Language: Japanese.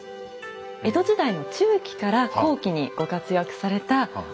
江戸時代の中期から後期にご活躍された花魁です。